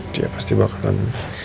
dia pasti bakalan